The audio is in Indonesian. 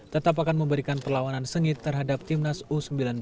tetap akan memberikan perlawanan sengit terhadap timnas u sembilan belas